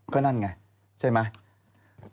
ก็นั่นไงใช่ไหม